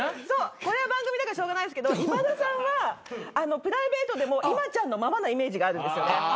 そうこれは番組だからしょうがないですけど今田さんはプライベートでも今ちゃんのままなイメージがあるんですよね。